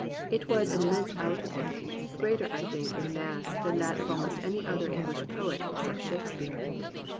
It was an im mense output, greater I think, in mass, than that of almost any other EngHsh poet except Shakespeare.